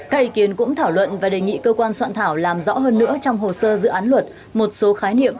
các ý kiến cũng thảo luận và đề nghị cơ quan soạn thảo làm rõ hơn nữa trong hồ sơ dự án luật một số khái niệm